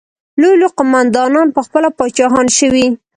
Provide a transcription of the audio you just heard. لوی لوی قوماندانان پخپله پاچاهان شوي.